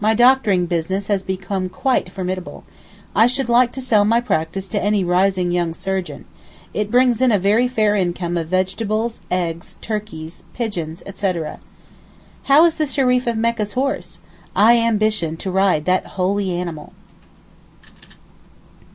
My doctoring business has become quite formidable. I should like to sell my practice to any 'rising young surgeon.' It brings in a very fair income of vegetables, eggs, turkeys pigeons, etc. How is the Shereef of Mecca's horse? I ambition to ride that holy animal.